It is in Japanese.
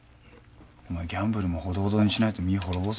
お前ギャンブルもほどほどにしないと身ぃ滅ぼすよ。